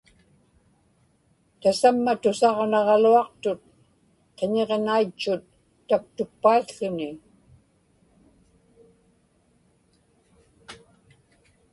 tasamma tusaġnaġaluaqtut qiñiġnaitchut taktukpaił̣ł̣uni